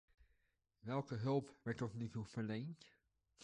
Welke hulp werd tot nu toe verleend?